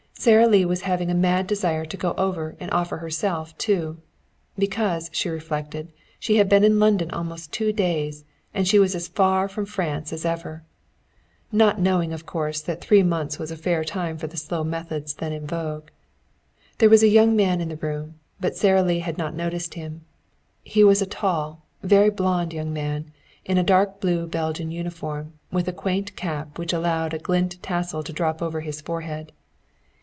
Sara Lee was having a mad desire to go over and offer herself too. Because, she reflected, she had been in London almost two days, and she was as far from France as ever. Not knowing, of course, that three months was a fair time for the slow methods then in vogue. There was a young man in the room, but Sara Lee had not noticed him. He was a tall, very blond young man, in a dark blue Belgian uniform with a quaint cap which allowed a gilt tassel to drop over his forehead.